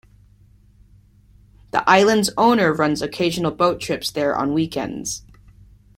The island's owner runs occasional boat trips there on weekends.